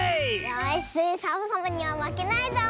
よしサボさんにはまけないぞ！